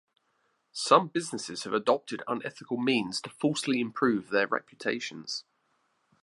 Some businesses have adopted unethical means to falsely improve their reputations.